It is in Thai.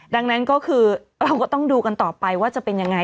ดังนั้นก็คือเราก็ต้องดูกันต่อไปว่าจะเป็นยังไง